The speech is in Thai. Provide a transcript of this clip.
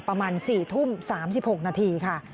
ประมาณ๔ทุ่ม๓๖นาทีค่ะ